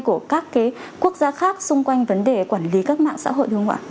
của các cái quốc gia khác xung quanh vấn đề quản lý các mạng xã hội đương ngoại